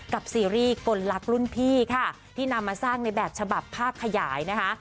ซีรีส์คนรักรุ่นพี่ค่ะที่นำมาสร้างในแบบฉบับภาคขยายนะคะ